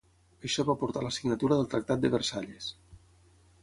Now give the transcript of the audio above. Això va portar a la signatura del Tractat de Versalles.